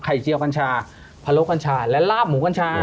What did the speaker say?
เจียวกัญชาพะโลกกัญชาและลาบหมูกัญชา